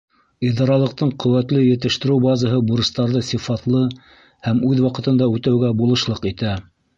Идаралыҡтың ҡеүәтле етештереү базаһы бурыстарҙы сифатлы һәм үҙ ваҡытында үтәүгә булышлыҡ итә.